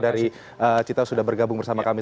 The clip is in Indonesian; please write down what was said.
dari cita sudah bergabung bersama kami